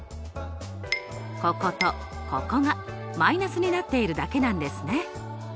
こことここが−になっているだけなんですね。